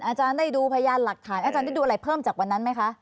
อาจารย์ได้ดูพยานหลักฐานอาจารย์ได้ดูอะไรเพิ่มจากวันนั้นไหมคะ